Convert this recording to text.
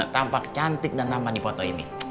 tampak cantik dan tampan di foto ini